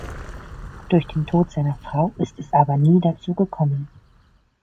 Durch den Tod seiner Frau ist es aber dazu nie gekommen.